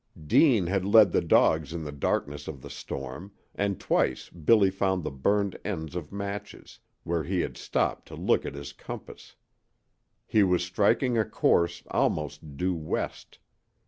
Deane had led the dogs in the darkness of the storm, and twice Billy found the burned ends of matches, where he had stopped to look at his compass. He was striking a course almost due west.